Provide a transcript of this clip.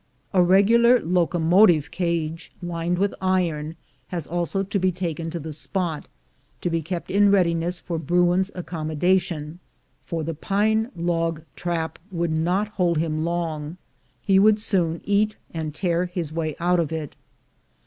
A regular locomotive cage, lined with iron, has also to be taken to the spot, to be kept in readiness for bruin's accom modation, for the pine log trap would not hold him long; he would soon eat and tear his way out of it.